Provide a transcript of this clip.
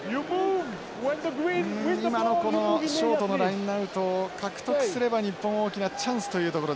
今のこのショートのラインアウト獲得すれば日本大きなチャンスというところでしたが。